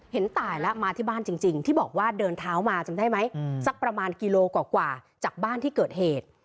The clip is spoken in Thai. เห็นตายแล้วมาที่บ้านจริงที่บอกว่าเดินเท้ามาจำได้ไหมสักประมาณกิโลกว่าจากบ้านที่เกิดเหตุ